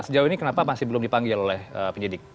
sejauh ini kenapa masih belum dipanggil oleh penyidik